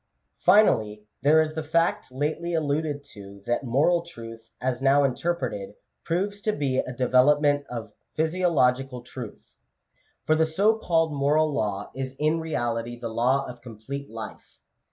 Finally, there is the fact lately alluded to, that moral truth, as now interpreted, proves to be a development of physiological truth ; for the so called moral law is in reality the law of com plete life.